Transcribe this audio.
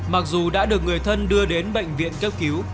mặc dù đã được người thân đưa đến bệnh viện cấp cứu